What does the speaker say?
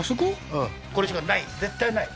うんこれしかない絶対ない